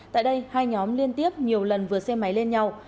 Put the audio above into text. tại đây hai nhóm liên tiếp nhiều lần vượt xe máy lên nhau